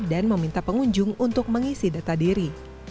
dan meminta pengunjung untuk mengisi data diri